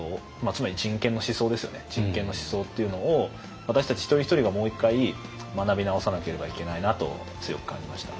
人権の思想っていうのを私たち一人一人がもう一回学び直さなければいけないなと強く感じました。